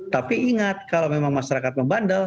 tapi ingat kalau memang masyarakat membandel